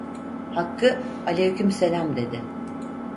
Hakkı: "Aleykümselam" dedi.